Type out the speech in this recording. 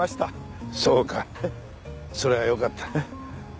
そうかそれはよかった。